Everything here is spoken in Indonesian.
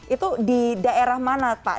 itu di daerah mana pak